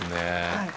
はい。